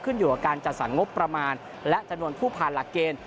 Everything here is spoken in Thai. อยู่กับการจัดสรรงบประมาณและจำนวนผู้ผ่านหลักเกณฑ์